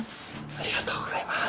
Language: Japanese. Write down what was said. ありがとうございます。